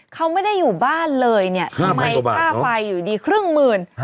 เขาไม่ได้อยู่บ้านเลยเนี่ยทำไมค่าไฟอยู่ดีครึ่งหมื่น